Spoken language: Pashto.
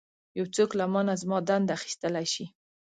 یو څوک له مانه زما دنده اخیستلی شي.